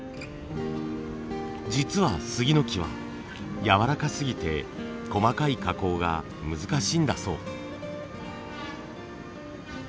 実はスギの木はやわらかすぎて細かい加工が難しいんだそう。